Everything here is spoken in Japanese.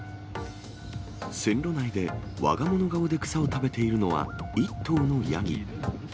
線路内でわが物顔で草を食べているのは１頭のヤギ。